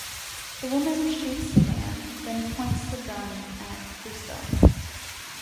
The woman shoots the man, then points the gun at Clouseau.